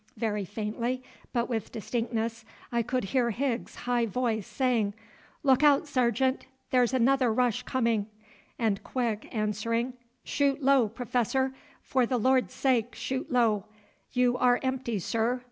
Very faintly but with distinctness I could hear Higgs's high voice saying, "Look out, Sergeant, there's another rush coming!" and Quick answering, "Shoot low, Professor; for the Lord's sake shoot low. You are empty, sir.